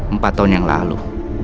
empat tahun yang lalu